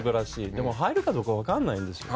でも入るかどうか分からないんですよ。